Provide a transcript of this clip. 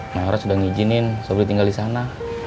nayara sudah ngijinin sobri tinggal di sana